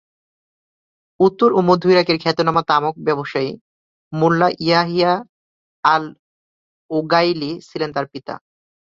উত্তর ও মধ্য ইরাকের খ্যাতনামা তামাক ব্যবসায়ী মোল্লা ইয়াহিয়া আল-ওগাইলি ছিলেন তার পিতা।